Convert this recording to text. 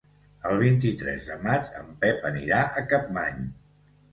El vint-i-tres de maig en Pep anirà a Capmany.